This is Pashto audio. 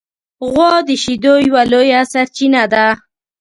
غوا د شیدو یوه لویه سرچینه ده.